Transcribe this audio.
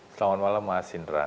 selamat malam mas indra